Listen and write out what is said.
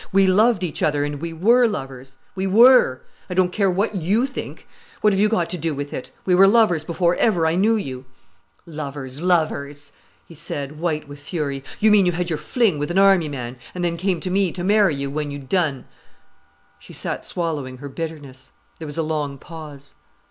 "We loved each other, and we were lovers—we were. I don't care what you think: what have you got to do with it? We were lovers before ever I knew you——" "Lovers—lovers," he said, white with fury. "You mean you had your fling with an army man, and then came to me to marry you when you'd done——" She sat swallowing her bitterness. There was a long pause.